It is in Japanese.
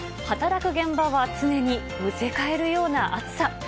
働く現場は常にむせ返るような暑さ。